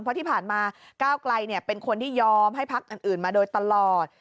เพราะที่ผ่านมาก้าวไกลเป็นคนที่ยอมให้พักอื่นมาโดยตลอด